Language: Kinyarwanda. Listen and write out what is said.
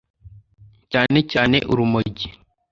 cyane cyane urumogi